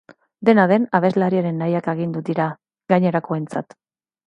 Dena den, abeslariaren nahiak agindu dira gainerakoentzat.